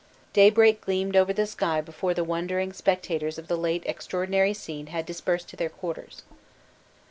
Daybreak gleamed over the sky before the wondering spectators of the late extraordinary scene had dispersed to their quarters.